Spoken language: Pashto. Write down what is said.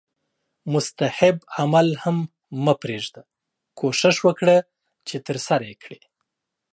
مستحب عمل هم مه پریږده کوښښ وکړه چې ترسره یې کړې